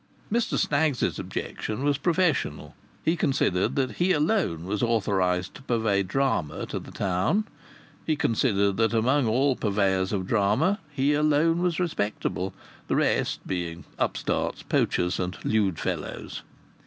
Mr Snaggs's objection was professional. He considered that he alone was authorized to purvey drama to the town; he considered that among all purveyors of drama he alone was respectable, the rest being upstarts, poachers, and lewd fellows.